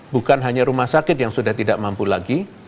bukan hanya rumah sakit yang sudah tidak mampu lagi